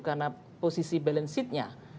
karena posisi balance sheetnya